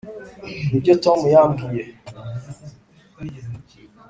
nibyo tom yambwiye.